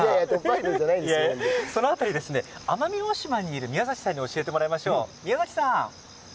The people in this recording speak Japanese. その辺り、奄美大島にいる宮崎さんに教えてもらいましょう。